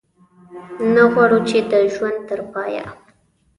نه غواړو چې د ژوند تر پایه.